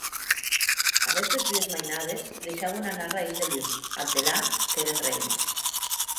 Aguestes dues mainades deishauen anar arrais de lum; ath delà, qu’èren reines.